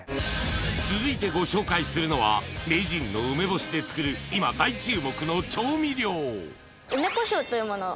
続いてご紹介するのは名人の梅干しで作る今大注目の調味料梅こしょうというものを。